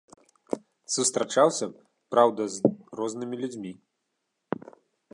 Сустрачаўся, праўда, з рознымі людзьмі.